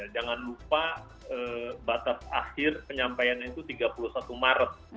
jangan lupa batas akhir penyampaian itu tiga puluh satu maret